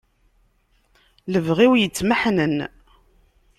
Lebɣi-w yettmeḥnen.